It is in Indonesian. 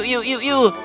yuk yuk yuk